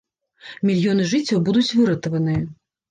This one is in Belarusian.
Мільёны жыццяў будуць выратаваныя!